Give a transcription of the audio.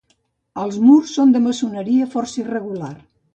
Els murs són de maçoneria força irregular.